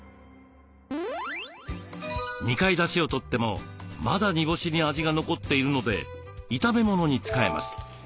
２回だしをとってもまだ煮干しに味が残っているので炒め物に使えます。